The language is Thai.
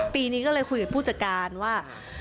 ปีนี้ก็เลยคุยกับผู้จัดการว่า